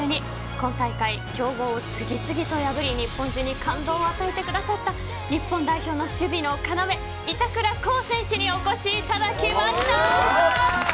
今大会、強豪を次々と破り日本中に感動を与えてくださった日本代表の守備の要板倉滉選手にお越しいただきました。